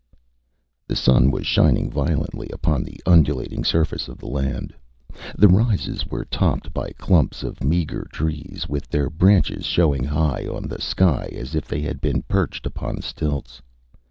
Â The sun was shining violently upon the undulating surface of the land. The rises were topped by clumps of meagre trees, with their branches showing high on the sky as if they had been perched upon stilts.